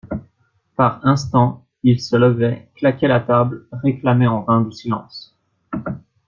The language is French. Par instants, il se levait, claquait la table, réclamait en vain du silence.